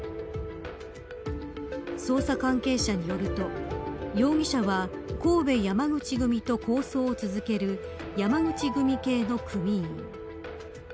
捜査関係者によると容疑者は、神戸山口組と抗争を続ける山口組系の組員。